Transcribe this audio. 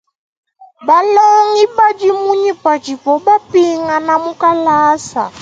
Balongi badi munyi padibo bapingana mu kalasa?